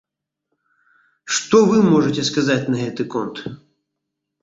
Што вы можаце сказаць на гэты конт?